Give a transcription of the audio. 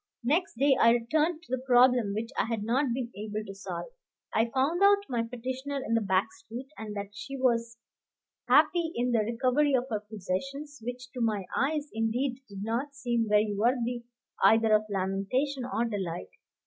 Next day I returned to the problem which I had not been able to solve. I found out my petitioner in the back street, and that she was happy in the recovery of her possessions, which to my eyes indeed did not seem very worthy either of lamentation or delight.